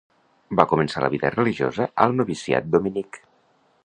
Va començar la vida religiosa al noviciat dominic.